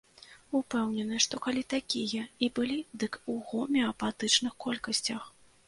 Упэўнены, што калі такія і былі, дык у гомеапатычных колькасцях.